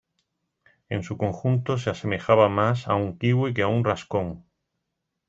En su conjunto se asemejaba más a un kiwi que a un rascón.